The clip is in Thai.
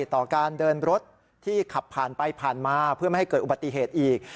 ต่อการเดินรถที่ขับผ่านไปผ่านมาเพื่อไม่ให้เกิดอุบัติเหตุอีก